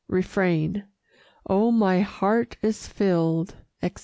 Refrain Oh, my heart is filled, etc.